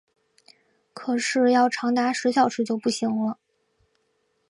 可是要长达十小时就不行了